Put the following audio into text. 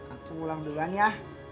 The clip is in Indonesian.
aku pulang duluan ya